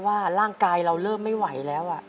ว่าร่างกายเราเริ่มไม่ไหวแล้ว